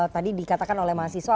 tadi dikatakan oleh mahasiswa